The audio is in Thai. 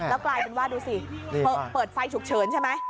แล้วกลายเป็นว่าดูสิเปิดไฟฉุกเฉินใช่ไหม